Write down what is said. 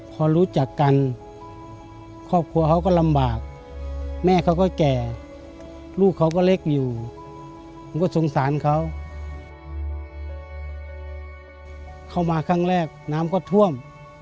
พอรู้จักกันครอบครัวเขาก็ลำบากแม่เขาก็แก่ลูกเขาก็เล็กอยู่ผมก็สงสารเขาเข้ามาครั้งแรกน้ำก็ท่วม